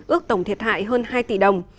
ước tổng thiệt hại hơn hai tỷ đồng